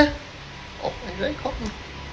ไอ้เรือข้อมิ